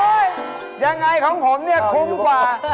ยังไงของผมเนี่ยคุ้มกว่า